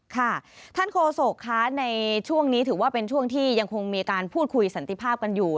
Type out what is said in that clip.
ค่ะท่านโฆษกคะในช่วงนี้ถือว่าเป็นช่วงที่ยังคงมีการพูดคุยสันติภาพกันอยู่